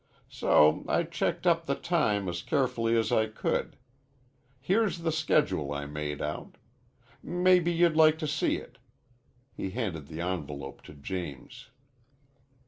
So I checked up the time as carefully as I could. Here's the schedule I made out. Mebbe you'd like to see it." He handed the envelope to James.